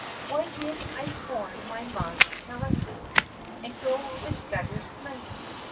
"Why did I scorn my ma's caresses And go with gutter snipes 4